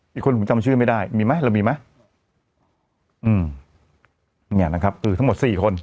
อีกคนผมจำชื่อไม่ได้มีไหมเรามีไหมอืมเนี่ยนะครับคือทั้งหมดสี่คน